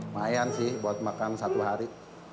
lumayan sih buat makan satu hari